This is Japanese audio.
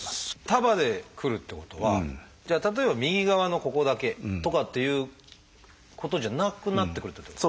束でくるっていうことはじゃあ例えば右側のここだけとかっていうことじゃなくなってくるっていうこと？